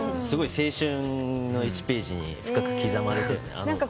すごい青春の１ページに深く刻まれたよね。